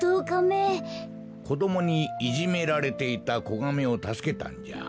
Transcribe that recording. こどもにいじめられていたこガメをたすけたんじゃ。